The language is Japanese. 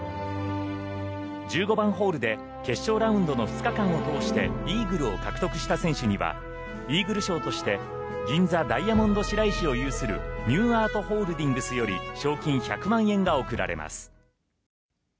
１５番ホールで決勝ラウンドの２日間を通してイーグルを獲得した選手にはイーグル賞として銀座ダイヤモンドシライシを有するＮＥＷＡＲＴＨＯＬＤＩＮＧＳより賞金１００万円が贈られます。